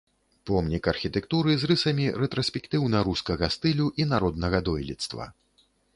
Помнік архітэктуры з рысамі рэтраспектыўна-рускага стылю і народнага дойлідства.